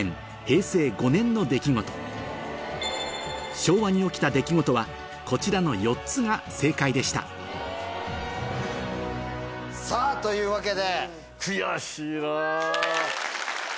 昭和に起きた出来事はこちらの４つが正解でしたさぁというわけで。